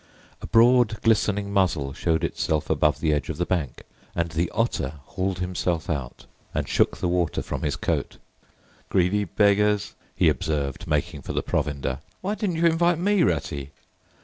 A broad glistening muzzle showed itself above the edge of the bank, and the Otter hauled himself out and shook the water from his coat. "Greedy beggars!" he observed, making for the provender. "Why didn't you invite me, Ratty?"